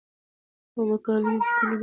خو مکالمې پکې نه دي مراعت شوې،